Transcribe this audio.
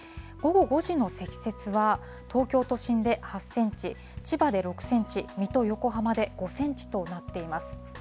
午後５時の積雪は、東京都心で８センチ、千葉で６センチ、水戸、横浜で５センチとなっています。